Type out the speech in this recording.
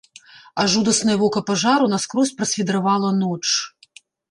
А жудаснае вока пажару наскрозь прасвідравала ноч.